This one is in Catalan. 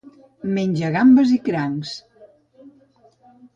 Menja gambes i crancs.